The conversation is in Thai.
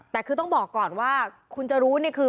แต่คือต้องบอกก่อนว่าคุณจะรู้เนี่ยคือ